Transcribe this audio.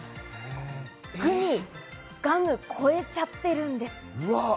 グミ、ガム超えちゃってるんです。